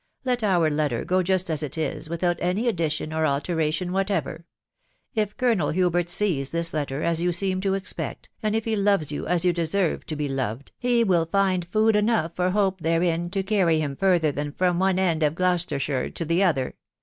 Let our letter go just as it is, without any addition or alteration whatever. If Colonel Hubert sees this letter, as you seem to expect, and if he loves you as you deserve to be loved, he will find food enough for hope therein to carry him further than from one end of Gloucestershire to the otViex